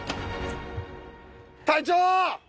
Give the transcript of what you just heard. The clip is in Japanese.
隊長！